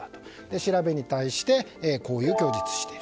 調べに対してこういう供述をしている。